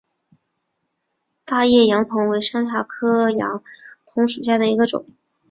大叶杨桐为山茶科杨桐属下的一个种。